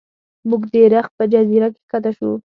موږ د رخ په جزیره کې ښکته شو.